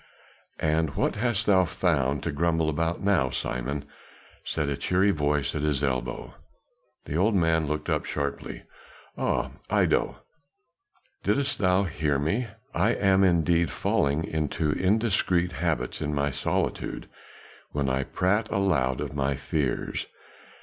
"And what hast thou found to grumble about now, Simon?" said a cheery voice at his elbow. The old man looked up sharply. "Ah, Iddo, didst thou hear me? I am indeed falling into indiscreet habits in my solitude when I prate aloud of my fears.